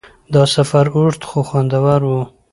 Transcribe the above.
دا سفر اوږد خو خوندور و.